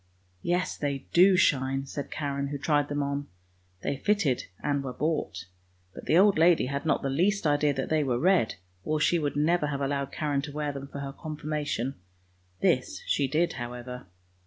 " Yes, they do shine," said Karen, who tried them on. They fitted and were bought; but the old lady had not the least idea that they were red, or she would never have allowed Karen to wear them for her Confirmation. This she did however.